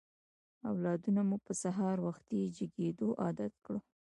اولادونه مو په سهار وختي جګېدو عادت کړئ.